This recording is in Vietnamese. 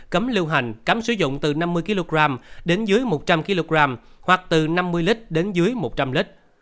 cấm lưu hành cấm sử dụng từ năm mươi kg đến dưới một trăm linh kg hoặc từ năm mươi lít đến dưới một trăm linh lít